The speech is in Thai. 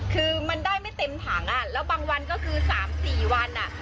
คือมันได้ไม่เต็มถังอ่ะแล้วบางวันก็คือสามสี่วันอ่ะ